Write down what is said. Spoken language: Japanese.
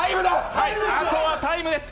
あとはタイムです。